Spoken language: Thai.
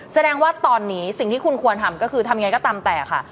แสดงว่าตอนนี้สิ่งที่คุณควรทำก็คือทำยังไงก็ตามแต่ค่ะ